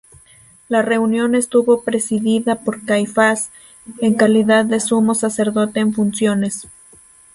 La reunión estuvo presidida por Caifás, en calidad de Sumo Sacerdote en funciones.